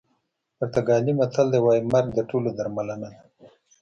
پرتګالي متل وایي مرګ د ټولو درملنه ده.